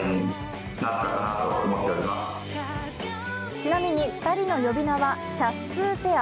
ちなみに２人の呼び名はチャッスーペア。